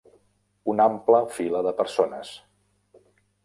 Una ampla fila de persones.